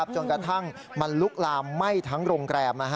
จนกระทั่งมันลุกลามไหม้ทั้งโรงแรม